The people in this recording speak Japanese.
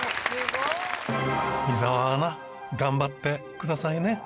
井澤アナ頑張ってくださいね。